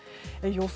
予想